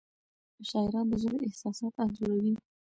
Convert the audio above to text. شاعران د ژبې احساسات انځوروي.